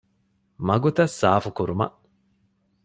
މަގުތައް ސާފުކުރުމަށް